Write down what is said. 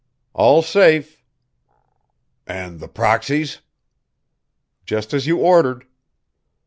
"All safe." "And the proxies?" "Just as you ordered."